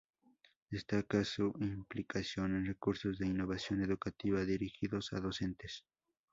Destaca su implicación en cursos de innovación educativa, dirigidos a docentes.